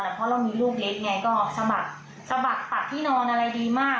เพราะเรามีลูกเล็กไงก็สะบัดสะบัดปัดที่นอนอะไรดีมาก